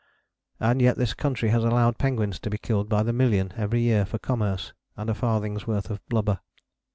And yet this country has allowed penguins to be killed by the million every year for Commerce and a farthing's worth of blubber.